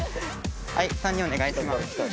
はい３人お願いします。